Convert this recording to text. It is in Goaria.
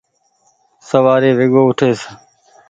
سوآري ويڳو اُٺيس۔